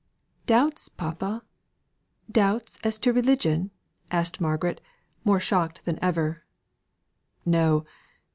"Doubts, papa! Doubts as to religion?" asked Margaret, more shocked than ever. "No!